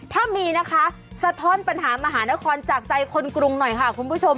ถ้ามีนะคะสะท้อนปัญหามหานครจากใจคนกรุงหน่อยค่ะคุณผู้ชม